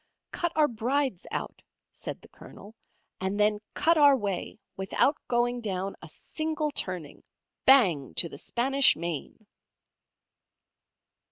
"Cut our Brides out," said the Colonel, "and then cut our way, without going down a single turning, Bang to the Spanish Main!"